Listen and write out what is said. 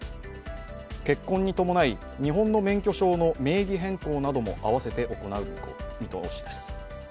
結婚に伴い日本の免許証の名義変更なども併せて行う見通しです。